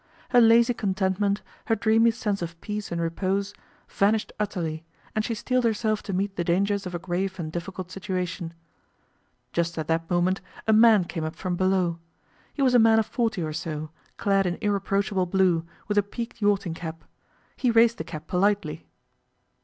Her lazy contentment, her dreamy sense of peace and repose, vanished utterly, and she steeled herself to meet the dangers of a grave and difficult situation. Just at that moment a man came up from below. He was a man of forty or so, clad in irreproachable blue, with a peaked yachting cap. He raised the cap politely.